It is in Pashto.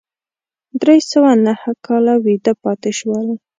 درې سوه نهه کاله ویده پاتې شول.